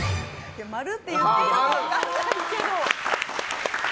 ○って言っていいのか分かんないけど。